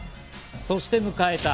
そして迎えた